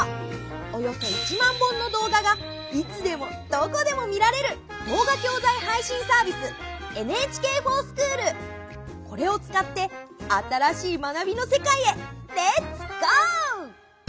およそ１万本の動画がいつでもどこでも見られるこれを使って新しい学びの世界へレッツゴー！